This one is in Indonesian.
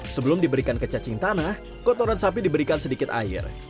sebelum diberikan ke cacing tanah kotoran sapi diberikan sedikit air